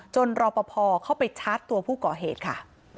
รอปภเข้าไปชาร์จตัวผู้ก่อเหตุค่ะ